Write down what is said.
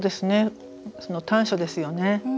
短所ですよね。